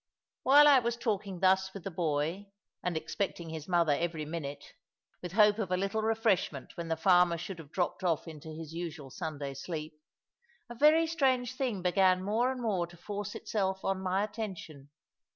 While I was talking thus with the boy, and expecting his mother every minute (with hope of a little refreshment when the farmer should have dropped off into his usual Sunday sleep), a very strange thing began more and more to force itself on my attention.